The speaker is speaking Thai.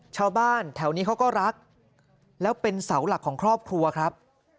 ชาวบ้านแถวนี้เขาก็รักแล้วเป็นเสาหลักของครอบครัวครับ